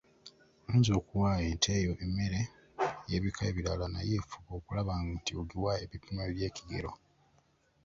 Oyinza okuwa ente yo emmere ey’ebika ebirala naye fuba okulaba nti ogiwa ebipimo eby’ekigero.